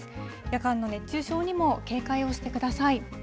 夜間の熱中症にも警戒をしてください。